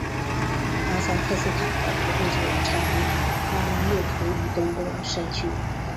哈萨克斯坦的葡萄酒产自阿拉木图以东的山区。